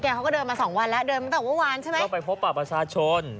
เขาก็เดินมาสองวันแล้วเดินมาตั้งแต่เมื่อวานใช่ไหมก็ไปพบปากประชาชน